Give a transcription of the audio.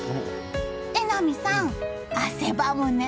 榎並さん、汗ばむね。